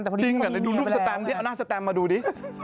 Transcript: จริงเหรอดูรูปสแตมนี่เอาหน้าสแตมมาดูดิ